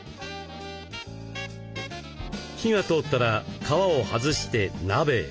火が通ったら皮をはずして鍋へ。